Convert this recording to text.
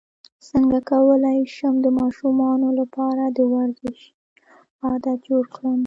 څنګه کولی شم د ماشومانو لپاره د ورزش عادت جوړ کړم